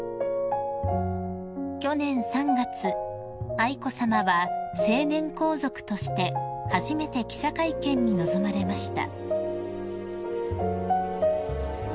［愛子さまは成年皇族として初めて記者会見に臨まれました］